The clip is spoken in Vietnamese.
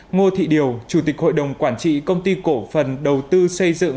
ngô thị điều chủ tịch hội đồng quản trị công ty cổ phần đầu tư xây dựng